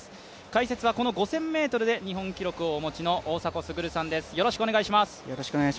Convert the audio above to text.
解説は５０００ｍで日本記録をお持ちの大迫傑さんです。